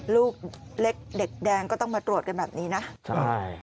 ลูกเล็กเด็กแดงก็ต้องมาตรวจกันแบบนี้นะใช่